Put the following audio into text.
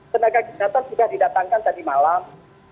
tenaga kesehatan sudah didatangkan tadi malam